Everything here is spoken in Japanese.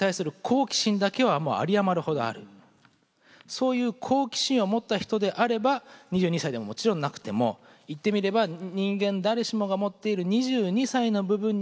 そういう好奇心を持った人であれば２２歳でももちろんなくても言ってみれば人間誰しもが持っている２２歳の部分に向けて書いたものである。